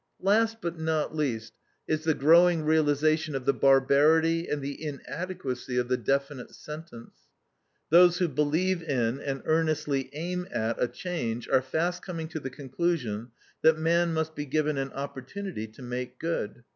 Last, but not least, is the growing realization of the barbarity and the inadequacy of the definite sentence. Those who believe in, and earnestly aim at, a change are fast coming to the conclusion that man must be given an opportunity to make good.